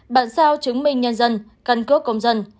bản sao chứng minh nhân dân căn cước công dân